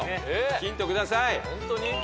ヒントください。